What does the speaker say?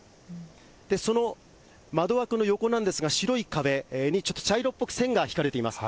その窓枠の横なんですが、白い壁にちょっと茶色っぽく線が引かれています。